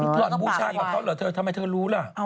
ก่อนบูชากับเขาเหรอเธอทำไมเธอรู้ล่ะ